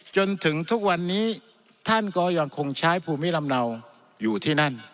จนถึงทุกวันนี้ท่านก็ยังคงใช้ภูมิลำเนาอยู่ที่นั่น